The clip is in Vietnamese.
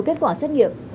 kết quả xét nghiệm